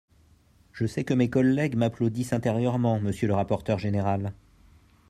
Je sais que mes collègues m’applaudissent intérieurement, monsieur le rapporteur général